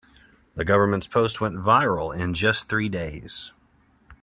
The government's post went viral in just three days.